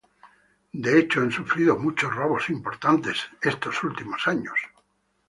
De hecho han sufrido muchos robos importantes estos últimos años".